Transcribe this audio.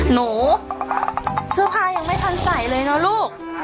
หนูเสื้อผ้ายังไม่ทันใส่เลยนะลูก